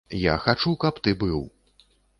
Я хачу, каб ты быў.